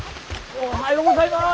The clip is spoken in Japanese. おはようございます。